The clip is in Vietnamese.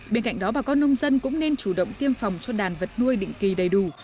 bên cạnh đó bà con nông dân cũng nên chủ động tiêm phòng cho đàn vật nuôi định kỳ đầy đủ